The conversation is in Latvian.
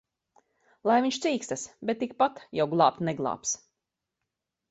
Lai viņš cīkstas! Bet tikpat jau glābt neglābs.